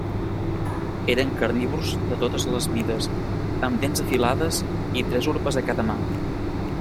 Eren carnívors de totes les mides amb dents afilades i tres urpes a cada mà.